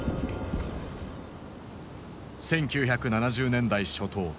１９７０年代初頭。